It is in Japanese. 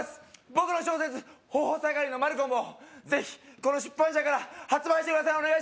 僕の小説「頬下がりのマルコム」をぜひこの出版社から発売してください